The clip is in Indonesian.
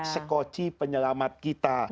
sekoci penyelamat kita